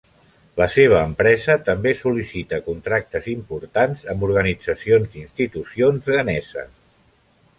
La seva empresa també sol·licita contractes importants amb organitzacions i institucions ghaneses.